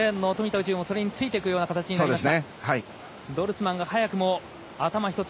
宇宙も、それについていくような形になりました。